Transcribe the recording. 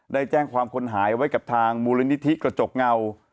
ได้แจ้งความคนหายไว้กับทางมูลนิธิกระจกเงา